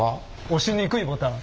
押しにくいボタン。